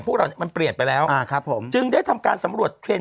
พวกเรามันเปลี่ยนไปแล้วอ่าครับผมจึงได้ทำการสำรวจเทรนด